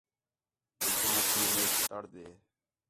پچھؤواں تھی میک تَڑ ݙے